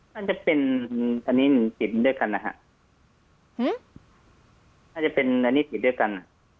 น่าจะเป็นคณิตด้วยกันนะฮะหึน่าจะเป็นคณิตด้วยกัน